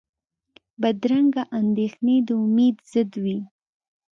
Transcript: بدرنګه اندېښنې د امید ضد وي